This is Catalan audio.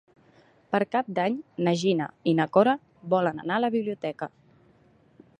Per Cap d'Any na Gina i na Cora volen anar a la biblioteca.